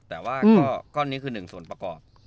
แต่ว่าก้อนนี้คือหนึ่งส่วนประกอบ